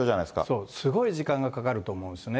そう、すごい時間がかかると思うんですね。